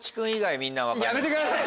やめてください！